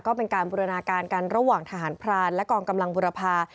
ก็เป็นการบูรณาการกันระหว่างทหารพรานและกองกำลังบุรพา